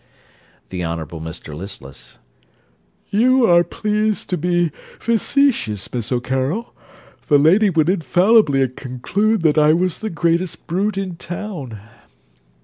_ THE HONOURABLE MR LISTLESS You are pleased to be facetious, Miss O'Carroll. The lady would infallibly conclude that I was the greatest brute in town.